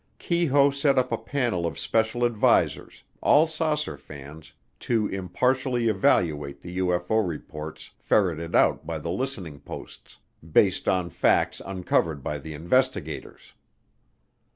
Keyhoe set up a Panel of Special Advisors, all saucer fans, to "impartially evaluate" the UFO reports ferreted out by the "listening posts," based on facts uncovered by the "investigators."